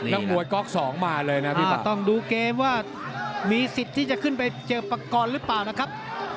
นักมวยก๊อกสองมาเลยนะพี่ปะต้องดูเกมว่ามีสิทธิ์ที่จะขึ้นไปเจอปากกรณ์หรือเปล่านะครับ